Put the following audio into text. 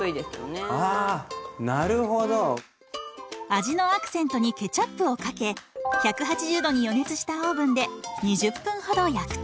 味のアクセントにケチャップをかけ１８０度に予熱したオーブンで２０分ほど焼くと。